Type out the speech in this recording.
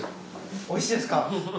美味しいですか。